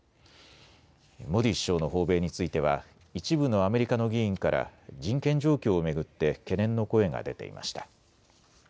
モディ首相の訪米については一部のアメリカの議員から人権状況を巡って懸念の声が出ていました。